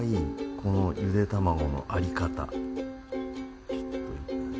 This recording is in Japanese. このゆで卵のありかた。